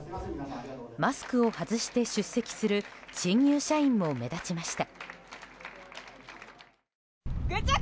マスクを外して出席する新入社員も目立ちました。